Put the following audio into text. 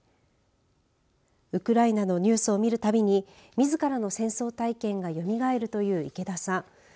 ウクライナのニュースを見るたびにみずからの戦争体験がよみがえるという池田さん。